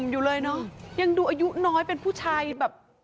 อยู่เลยเนอะยังดูอายุน้อยเป็นผู้ชายแบบ